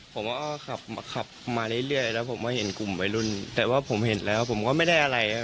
ผมก็ขับขับมาเรื่อยแล้วผมก็เห็นกลุ่มวัยรุ่นแต่ว่าผมเห็นแล้วผมก็ไม่ได้อะไรครับ